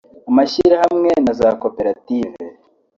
amashyirahamwe na za koperative